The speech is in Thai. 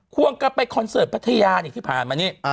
วงกลับไปคอนเสิร์ตพัทยานี่ที่ผ่านมานี่